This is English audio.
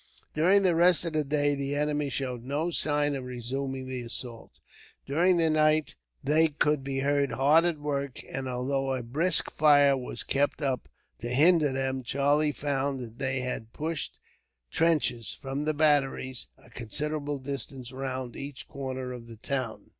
During the rest of the day, the enemy showed no signs of resuming the assault. During the night they could be heard hard at work, and although a brisk fire was kept up to hinder them, Charlie found that they had pushed trenches, from the batteries, a considerable distance round each corner of the town.